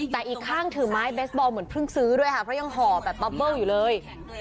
แต่อีกข้างถือไม้เบสบอลเหมือนเพิ่งซื้อด้วยค่ะเพราะยังห่อแบบป๊อปเบิ้ลอยู่เลย